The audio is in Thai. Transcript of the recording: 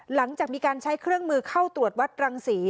หลังจากมีการใช้เครื่องมือเข้าตรวจวัดรังศรี